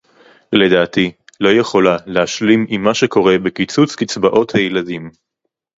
לדעתי לא יכולה להשלים עם מה שקורה בקיצוץ קצבאות הילדים